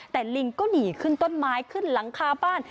แต่ลิงก็หนีขึ้นต้นไม้ขึ้นหลังคาบ้าน